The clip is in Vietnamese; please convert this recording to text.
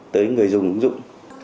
tới người dùng ứng dụng